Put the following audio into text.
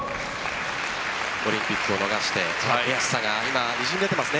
オリンピックを逃して悔しさが今、にじみ出ていますね。